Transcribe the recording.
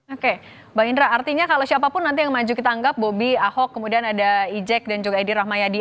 oke mbak indra artinya kalau siapapun nanti yang maju kita anggap bobi ahok kemudian ada ijek dan juga edi rahmayadi